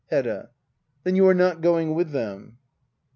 Hedda. Then you are not going with them